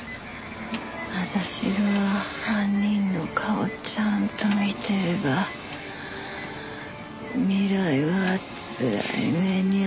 私が犯人の顔ちゃんと見てれば未来はつらい目に遭わずに済んだのに。